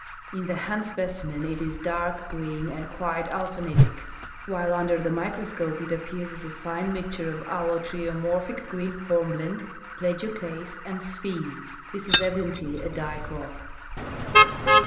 In the hand specimen it is dark green and quite aphanitic, while under the microscope it ap})ears as a fine mixture of allotriomorphic green horn1>lende, plagio clase and sphene. This is evident!}' a dike rock.